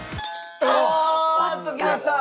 おーっときました！